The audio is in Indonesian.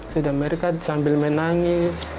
sudah mereka sambil menangis